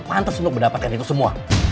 pantas untuk mendapatkan itu semua